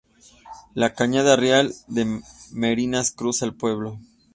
La Cañada Real de Merinas cruza el pueblo.